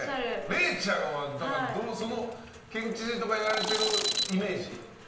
れいちゃんは、県知事とかやられてるイメージ？